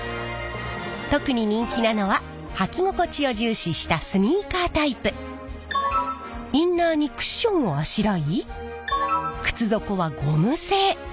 特に人気なのは履き心地を重視したインナーにクッションをあしらい靴底はゴム製。